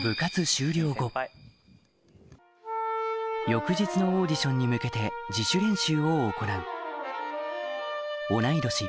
翌日のオーディションに向けて自主練習を行う同い年